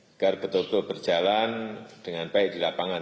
agar betul betul berjalan dengan baik di lapangan